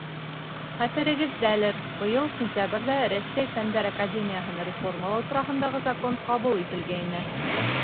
Хәтерегеҙҙәлер, быйыл сентябрҙә Рәсәй Фәндәр академияһын реформалау тураһындағы закон ҡабул ителгәйне.